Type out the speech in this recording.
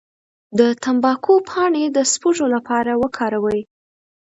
د تمباکو پاڼې د سپږو لپاره وکاروئ